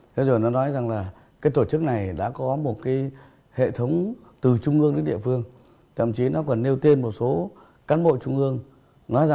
thế rồi đối tượng cầm đầu thì